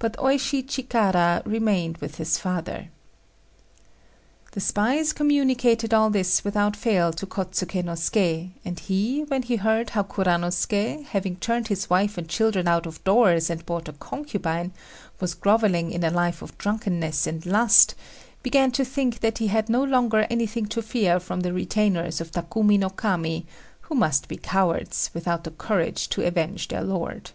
But Oishi Chikara remained with his father. The spies communicated all this without fail to Kôtsuké no Suké, and he, when he heard how Kuranosuké, having turned his wife and children out of doors and bought a concubine, was grovelling in a life of drunkenness and lust, began to think that he had no longer anything to fear from the retainers of Takumi no Kami, who must be cowards, without the courage to avenge their lord.